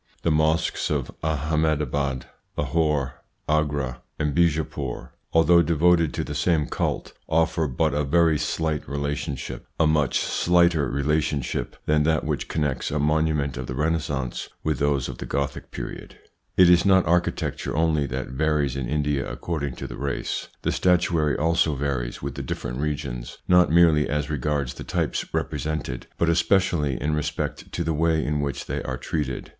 The mosques of Ahmeda bad, Lahore, Agra, or Bijapour, although devoted to the same cult, offer but a very slight relationship, a much slighter relationship than that which connects a monument of the Renaissance with those of the Gothic period. ITS INFLUENCE ON THEIR EVOLUTION 125 It is not architecture only that varies in India according to the race ; the statuary also varies with the different regions, not merely as regards the types represented, but especially in respect to the way in which they are treated.